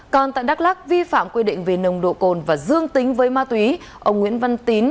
còn tại đắk lắc vi phạm quy định về nồng độ cồn và dương tính với ma túy ông nguyễn văn tín